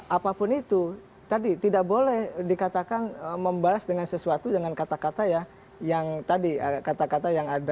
apapun itu tadi tidak boleh dikatakan membalas dengan sesuatu dengan kata kata yang tadi kata kata yang ada